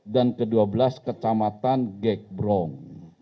dan kedua belas kecamatan gekbrong